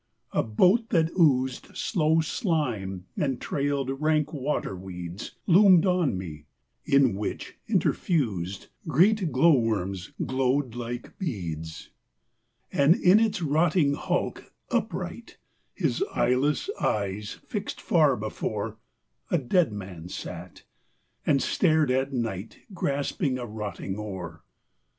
a boat that oozed Slow slime and trailed rank water weeds Loomed on me: in which, interfused, Great glow worms glowed like beads. And in its rotting hulk, upright, His eyeless eyes fixed far before, A dead man sat, and stared at night, Grasping a rotting oar.